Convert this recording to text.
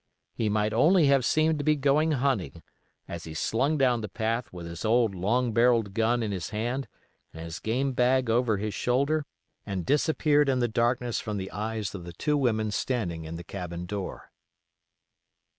He might only have seemed to be going hunting, as he slung down the path with his old long barrelled gun in his hand and his game bag over his shoulder, and disappeared in the darkness from the eyes of the two women standing in the cabin door.